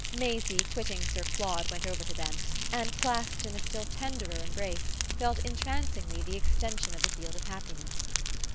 Maisie, quitting Sir Claude, went over to them and, clasped in a still tenderer embrace, felt entrancingly the extension of the field of happiness.